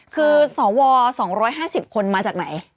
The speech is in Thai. คือสว๒๕๐คนมาจากไหน